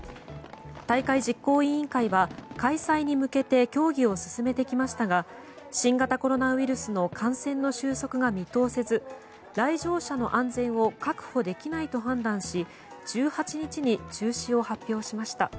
大会実行委員会は開催に向けて協議を進めてきましたが新型コロナウイルスの感染の終息が見通せず来場者の安全を確保できないと判断し１８日に中止を発表しました。